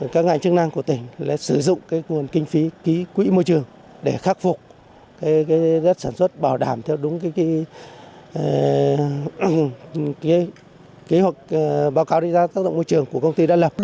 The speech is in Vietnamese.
các ngành chức năng của tỉnh sử dụng nguồn kinh phí ký quỹ môi trường để khắc phục đất sản xuất bảo đảm theo đúng kế hoạch báo cáo định giá tác động môi trường của công ty đã lập